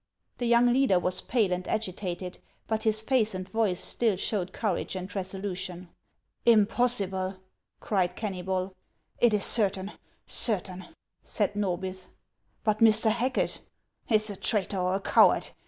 The young leader was pale and agitated ; but his face and voice still showed courage and resolution. " Impossible !" cried Kennybol. " It is certain ! certain !" said Xorhith. " But Mr. Hacket —"" Is a traitor or a coward.